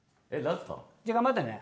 じゃ頑張ってね。